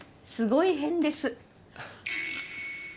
すごい変です。